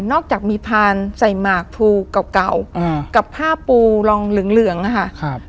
อกจากมีพานใส่หมากภูเก่าเก่ากับผ้าปูรองเหลืองเหลืองนะคะ